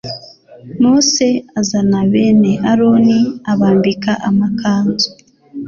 Mose azana bene Aroni abambika amakanzu